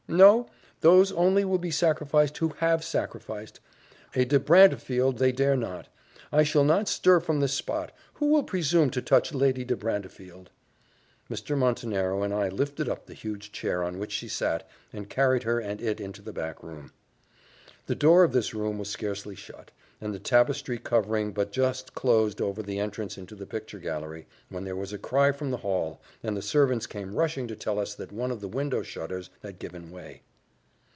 "No those only will be sacrificed who have sacrificed. A 'de Brantefield' they dare not! I shall not stir from this spot. Who will presume to touch Lady de Brantefield?" Mr. Montenero and I lifted up the huge chair on which she sat, and carried her and it into the back room. The door of this room was scarcely shut, and the tapestry covering but just closed over the entrance into the picture gallery, when there was a cry from the hall, and the servants came rushing to tell us that one of the window shutters had given way.